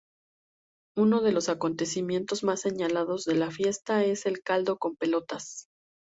Uno de los acontecimientos más señalados de la fiesta es el caldo con pelotas.